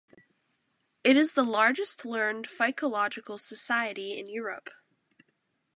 It is the largest learned phycological society in Europe.